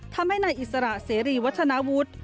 ทำให้นายอิสระเสรีวัฒนาวุฒิ